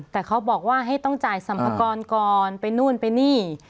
แต่เขาบอกว่าให้ต้องจ่ายสัมภากรก่อนไปนู่นไปนี่